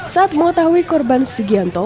saat mengetahui korban sugianto